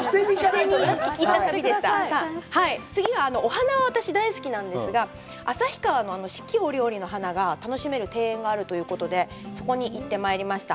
次はお花、私、大好きなんですが、旭川の四季折々の花が楽しめる庭園があるということで、そこに行ってまいりました。